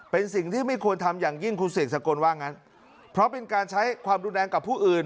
เป็นสิ่งที่ไม่ควรทำอย่างยิ่งคุณเสกสกลว่างั้นเพราะเป็นการใช้ความรุนแรงกับผู้อื่น